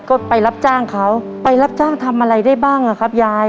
ก็ไปรับจ้างเขาไปรับจ้างทำอะไรได้บ้างอ่ะครับยาย